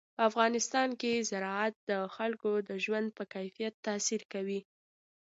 په افغانستان کې زراعت د خلکو د ژوند په کیفیت تاثیر کوي.